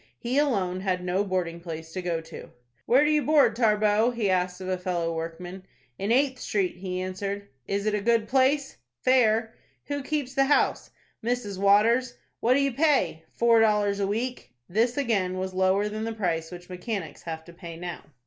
He alone had no boarding place to go to. "Where do you board, Tarbox?" he asked of a fellow workman. "In Eighth Street," he answered. "Is it a good place?" "Fair." "Who keeps the house?" "Mrs. Waters." "What do you pay?" "Four dollars a week." This again was lower than the price which mechanics have to pay now.